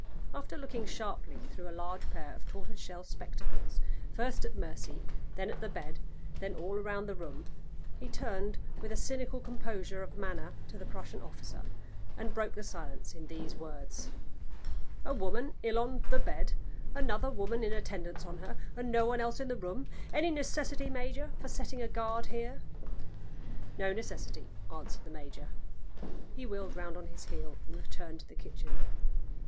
After looking sharply through a large pair of tortoise shell spectacles, first at Mercy, then at the bed, then all round the room, he turned with a cynical composure of manner to the Prussian officer, and broke the silence in these words: "A woman ill on the bed; another woman in attendance on her, and no one else in the room. Any necessity, major, for setting a guard here?" "No necessity," answered the major. He wheeled round on his heel and returned to the kitchen.